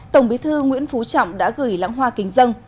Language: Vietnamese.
tổng bí thư nguyễn phú trọng đã gửi lãng hoa kính dân